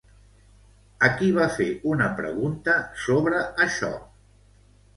A qui va fer una pregunta sobre això?